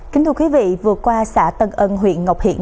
kính thưa quý vị vừa qua xã tân ân huyện ngọc hiển